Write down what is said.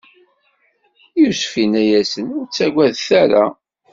Yusef inna-yasen: Ur ttagadet ara!